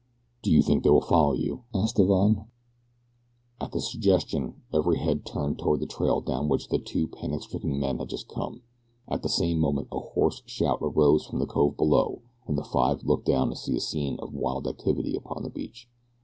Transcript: "Do you think they will follow you?" asked Divine. At the suggestion every head turned toward the trail down which the two panic stricken men had just come. At the same moment a hoarse shout arose from the cove below and the five looked down to see a scene of wild activity upon the beach.